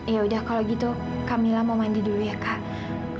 ya udah kalau gitu camillah mau mandi dulu ya kak